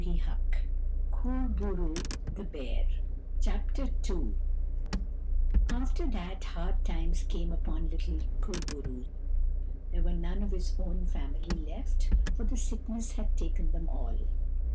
214 KUR BO ROO, THE BEAR Chapter II After that, hard times came upon little Kur bo roo. There were none of his own family left, for the sickness had taken them all.